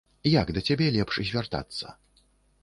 Як да цябе лепш звяртацца?